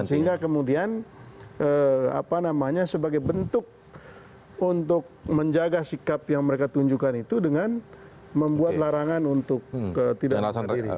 sehingga kemudian apa namanya sebagai bentuk untuk menjaga sikap yang mereka tunjukkan itu dengan membuat larangan untuk ketidak diri